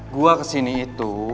gua kesini itu